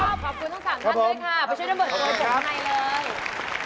ไปช่วยเราบะแบบคอบข้างในเลย